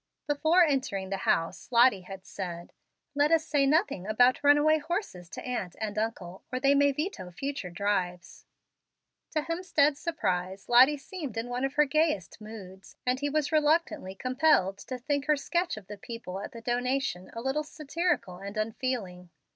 Before entering the house Lottie had said, "Let us say nothing about runaway horses to aunt and uncle, or they may veto future drives." To Hemstead's surprise Lottie seemed in one of her gayest moods, and he was reluctantly compelled to think her sketch of the people at the donation a little satirical and unfeeling.